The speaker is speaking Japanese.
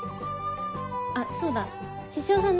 あっそうだ獅子王さん